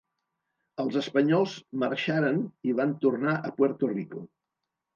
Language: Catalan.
Els espanyols marxaren i van tornar a Puerto Rico.